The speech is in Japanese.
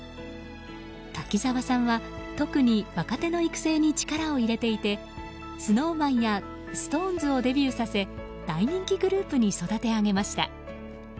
滝沢さんは特に若手の育成に力を入れていてＳｎｏｗＭａｎやＳｉｘＴＯＮＥＳをデビューさせ大人気グループに育て上げました。